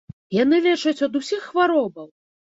Яны лечаць ад усіх хваробаў!